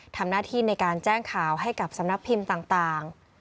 ทำหน้าที่ในการแจ้งข่าวให้กับสำนักพิมพ์ต่าง